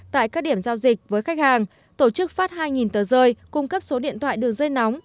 tại các điểm giao dịch với khách hàng tổ chức phát hai tờ rơi cung cấp số điện thoại đường dây nóng